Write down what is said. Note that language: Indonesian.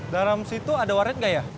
dalam situ ada warnet nggak ya